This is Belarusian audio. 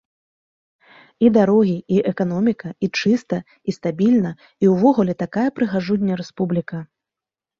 І дарогі, і эканоміка, і чыста, і стабільна, і ўвогуле такая прыгажуня-рэспубліка.